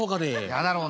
嫌だろうな。